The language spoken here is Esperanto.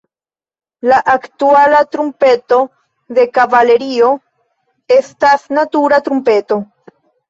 La aktuala trumpeto de kavalerio estas natura trumpeto.